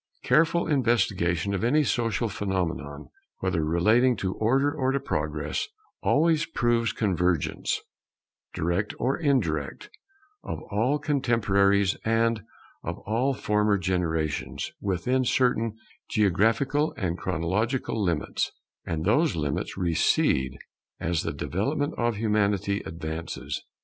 Careful investigation of any social phenomenon, whether relating to Order or to Progress, always proves convergence, direct or indirect, of all contemporaries and of all former generations, within certain geographical and chronological limits; and those limits recede as the development of Humanity advances.